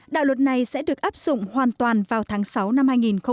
đạo luật này sẽ được áp dụng hoàn toàn vào tháng sáu năm hai nghìn một mươi bảy